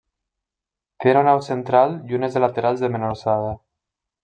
Té una nau central i unes de laterals de menor alçada.